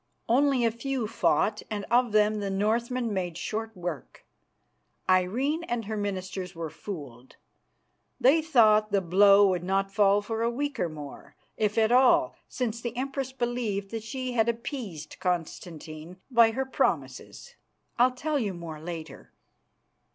Only a few fought, and of them the Northmen made short work. Irene and her ministers were fooled. They thought the blow would not fall for a week or more, if at all, since the Empress believed that she had appeased Constantine by her promises. I'll tell you more later."